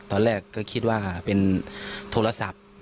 ตอนแรกก็คิดว่าเป็นโทรศัพท์